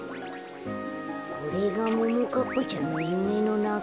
これがももかっぱちゃんのゆめのなか？